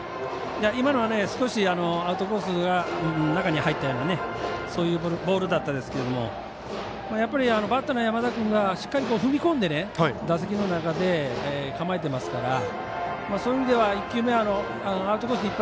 今のは少しアウトコースが中に入ったようなそういうボールだったんですけどやっぱりバッターの山田君がしっかり踏み込んで打席の中で構えていますからそういう意味では１球目アウトコース